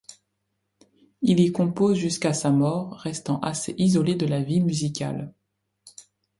Il y compose jusqu'à sa mort, restant assez isolé de la vie musicale.